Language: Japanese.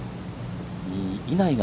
２位以内が